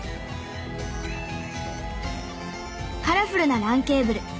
カラフルなＬＡＮケーブル。